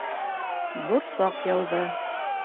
Борсаҡ яуҙы